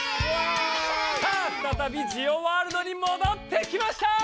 さあふたたびジオワールドにもどってきました！